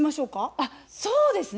あっそうですね。